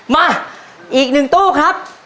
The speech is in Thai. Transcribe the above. มาอีกหนึ่งตู้ครับ